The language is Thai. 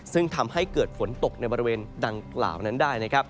ซึ่งทำให้เกิดฝนตกในบริเวณดังกล่าวนั้นได้นะครับ